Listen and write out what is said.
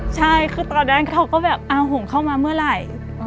ใช่คือตอนนั้นเขาก็แบบเอาหงเข้ามาเมื่อไหร่